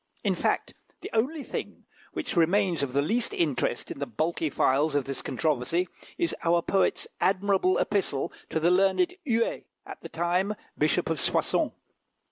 In fact, the only thing which remains of the least interest in the bulky files of this controversy is our poet's admirable epistle to the learned Huet, at the time Bishop of Soissons.